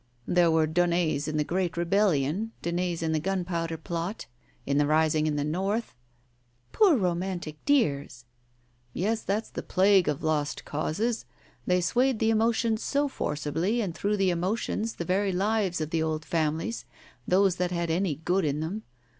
There were Daunets in the Great Rebellion, Daunets in the Gunpowder Plot — in the Rising in the North "" Poor romantic dears !" "Yes, that's the plague of lost causes. They swayed the emotions so forcibly and through the emotions the very lives of the old families — those that had any good in them.